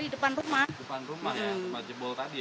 di depan rumah ya tempat jebol tadi ya